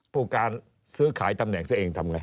ผู้การซื้อขายตำแหน่งซะเองทำไง